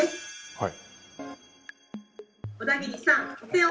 はい。